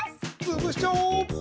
つぶしちゃおう！